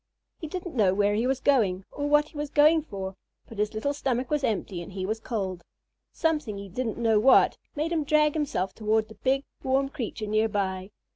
He didn't know where he was going, or what he was going for, but his little stomach was empty and he was cold. Something, he didn't know what, made him drag himself toward the big, warm creature near by.